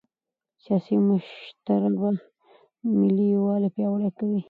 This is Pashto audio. سیاسي مشرتابه ملي یووالی پیاوړی کوي